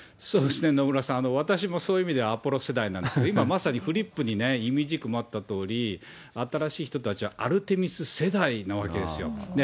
私はそういう意味ではアポロ世代なんですけど、今、まさにフリップにね、いみじくもあったとおり新しい人たちはアルテミス世代なわけですよ。